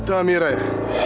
itu amira ya